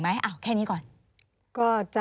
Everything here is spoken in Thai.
มีความรู้สึกว่ามีความรู้สึกว่า